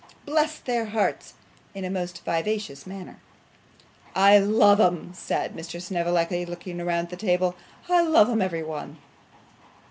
Bless their hearts!' in a most vivacious manner. 'I love 'em,' said Mr. Snevellicci, looking round the table, 'I love 'em, every one.